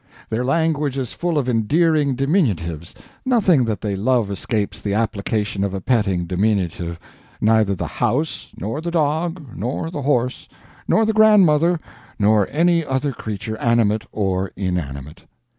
Their language is full of endearing diminutives; nothing that they love escapes the application of a petting diminutive neither the house, nor the dog, nor the horse, nor the grandmother, nor any other creature, animate or inanimate.